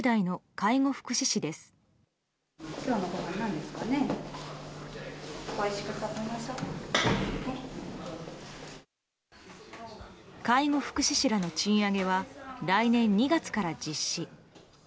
介護福祉士らの賃上げは来年２月から実施。